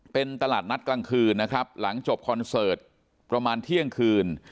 เป็นตลาดนัดกลางคืนนะครับหลังจบคอนเสิร์ตประมาณเที่ยงคืน